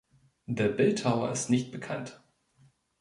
Der Bildhauer ist nicht bekannt.